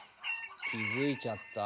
気付いちゃった？